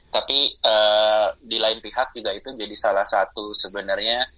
tapi di lain pihak juga itu menjadi salah satu sebenarnya